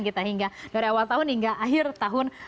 kita hingga dari awal tahun hingga akhir tahun dua ribu enam belas